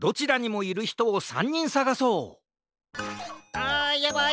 あやばい！